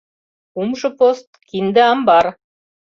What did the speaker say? — Кумшо пост: кинде амбар!